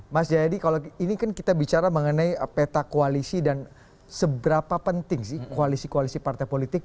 mas jayadi kalau ini kan kita bicara mengenai peta koalisi dan seberapa penting sih koalisi koalisi partai politik